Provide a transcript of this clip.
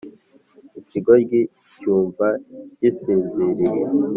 ikigoryi cyumva gisinziriye